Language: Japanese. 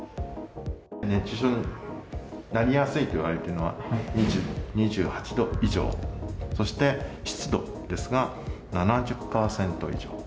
熱中症になりやすいといわれているのは、温度で２８度以上、そして湿度ですが、７０％以上。